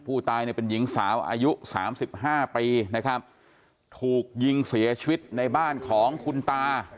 ผู้ตายเป็นหญิงสาวอายุ๓๕ปีถูกยิงเสียชีวิตในบ้านของคุณตา